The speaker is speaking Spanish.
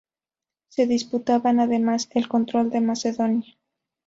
Se disputaban, además, el control de Macedonia.